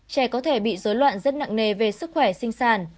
trẻ có thể bị dối loạn rất nặng nề về sức khỏe sinh sản